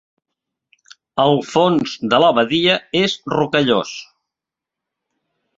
El fons de la badia és rocallós.